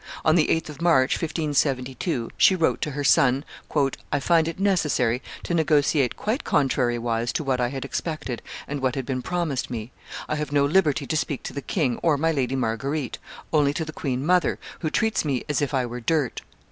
On the 8th of March, 1572, she wrote to her son, "I find it necessary to negotiate quite contrariwise to what I had expected and what had been promised me; I have no liberty to speak to the king or my Lady Marguerite, only to the queen mother, who treats me as if I were dirt.